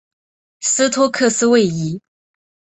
斯托克斯位移。